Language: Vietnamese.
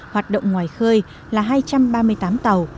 hoạt động ngoài khơi là hai trăm ba mươi tám tàu